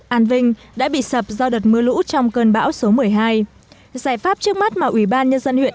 an vinh đã bị sập do đợt mưa lũ trong cơn bão số một mươi hai giải pháp trước mắt mà ủy ban nhân dân huyện